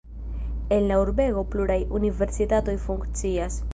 En la urbego pluraj universitatoj funkcias.